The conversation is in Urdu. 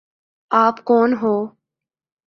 آپ کون ہو؟